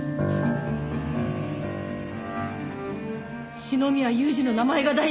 四宮裕二の名前が大事？